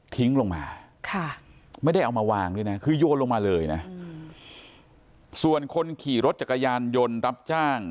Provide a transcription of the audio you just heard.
ลงมาไม่ได้เอามาวางด้วยนะคือโยนลงมาเลยนะส่วนคนขี่รถจักรยานยนต์รับจ้าง